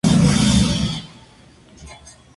Club de la primera del Ecuador.